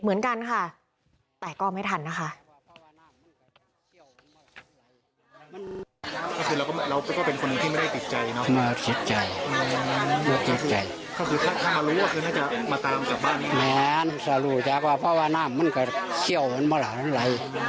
เหมือนกันค่ะแต่ก็ไม่ทันนะคะ